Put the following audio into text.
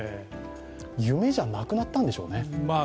夢じゃなくなったんでしょうね。